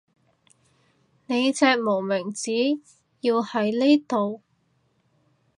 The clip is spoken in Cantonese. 你隻無名指要喺呢度